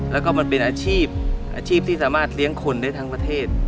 แล้วก็มันเป็นอาชีพอาชีพที่สามารถเลี้ยงคนได้ทั้งประเทศ